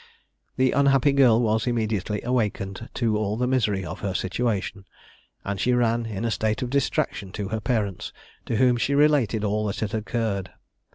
The unhappy girl was immediately awakened to all the misery of her situation; and she ran, in a state of distraction, to her parents, to whom she related all that had occurred.